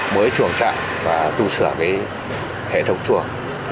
mới chuẩn trạng và tu sửa hệ thống chuồng